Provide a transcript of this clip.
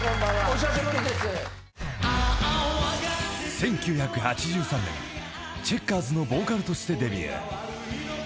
［１９８３年チェッカーズのボーカルとしてデビュー］